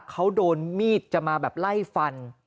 เขาโดนมีดจะมาแบบไล่ฟัน